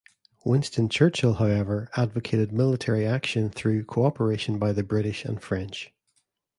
Winston Churchill, however, advocated military action through cooperation by the British and French.